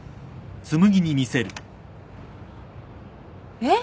えっ！？